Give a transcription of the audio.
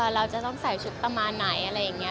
เราจะต้องใส่ชุดประมาณไหนอะไรอย่างนี้